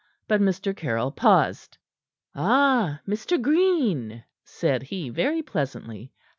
But Mr. Caryll paused. "Ah, Mr. Green!" said he very pleasantly.